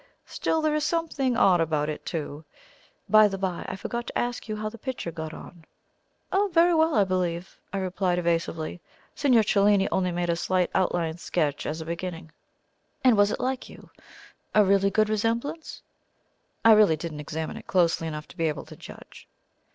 Still there is something odd about it, too. By the bye, I forgot to ask you how the picture got on?" "Oh, very well, I believe," I replied evasively. "Signor Cellini only made a slight outline sketch as a beginning." "And was it like you? a really good resemblance?" "I really did not examine it closely enough to be able to judge."